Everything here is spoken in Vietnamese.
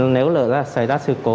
nếu là xảy ra sự cố